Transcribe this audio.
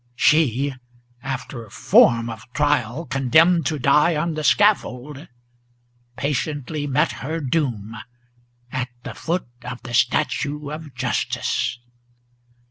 She, after form of trial condemned to die on the scaffold, Patiently met her doom at the foot of the statue of Justice.